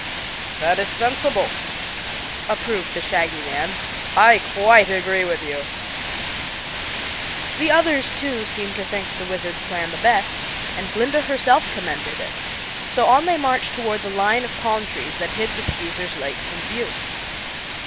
"That is sensible," approved the Shaggy Man. "I quite agree with you." The others, too, seemed to think the Wizard's plan the best, and Glinda herself commended it, so on they marched toward the line of palm trees that hid the Skeezers' lake from view.